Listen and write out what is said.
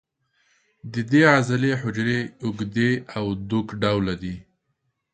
د دې عضلې حجرې اوږدې او دوک ډوله دي.